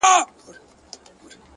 پرمختګ د عادتونو له اصلاح پیلېږي!